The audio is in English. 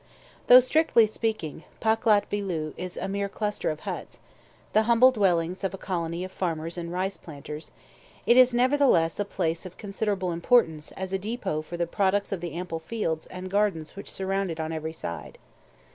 Though, strictly speaking, Paklat Beeloo is a mere cluster of huts, the humble dwellings of a colony of farmers and rice planters, it is nevertheless a place of considerable importance as a depot for the products of the ample fields and gardens which surround it on every side.